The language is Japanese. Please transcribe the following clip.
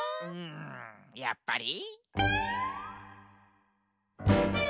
うんやっぱり？